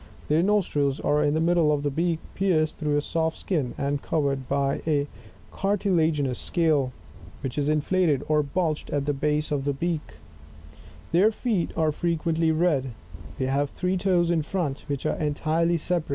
;) their nostrils are in the middle of the beak, pierced through a soft skin and covered by a cartilaginous scale which is inflated or bulged at the base of the beak ; their feet are frequently red ; they have three toes in front, which are entirely separate, and a posterior 33.